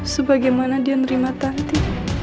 sebagaimana dia nerima tanti